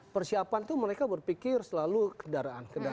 persiapan itu mereka berpikir selalu kendaraan kendaraan